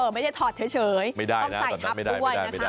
ไม่ได้ถอดเฉยตอนนั้นไม่ได้นะต้องใส่ทับด้วยนะคะ